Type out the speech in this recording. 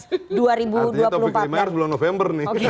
nanti di topik kelima harus bulan november nih